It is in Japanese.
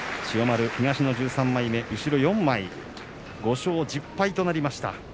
千代丸東の１３枚目、後ろ４枚５勝１０敗となりました。